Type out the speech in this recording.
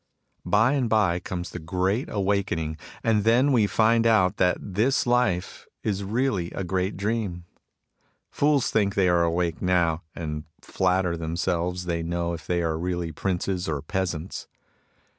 By and by comes the Great Awakening, and then we find out that this life is really a great dream. Fools think they are awake now, and flatter them 48 MAN'S LIMITED INTELLIGENCE 49 selves they know if they are really princes or peasants.